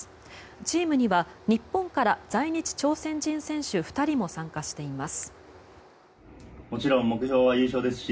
チームには日本から在日朝鮮人選手２人も参加しています。